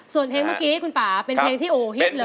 ส่วนเพลงเมื่อกี้คุณป่าเป็นเพลงที่โอ้ฮิตเลย